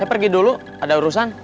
pergi dulu ada urusan